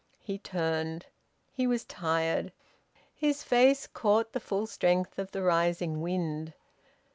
He turned. He was tired. His face caught the full strength of the rising wind.